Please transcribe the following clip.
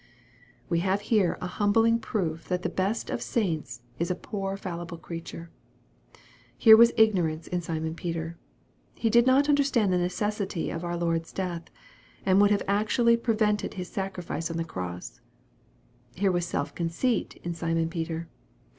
We have here a humbling proof that the best of saints is a poor fallible creature. Here was ignorance in Simon Peter. He did not understand the necessity of our Lord's death, and would have actually prevented His sacrifice on the cross. Here was self conceit in Simon Peter.